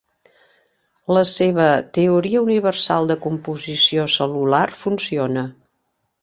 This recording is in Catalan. La seva “teoria universal de composició cel·lular” funciona.